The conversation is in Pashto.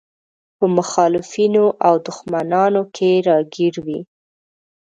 په مخالفينو او دښمنانو کې راګير وي.